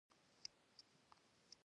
محراب د عبادت ځای دی